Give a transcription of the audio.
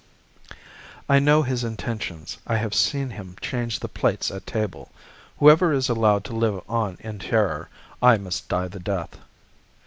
I know his intentions. I have seen him change the plates at table. Whoever is allowed to live on in terror, I must die the death.